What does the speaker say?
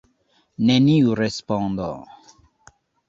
Neniu respondo!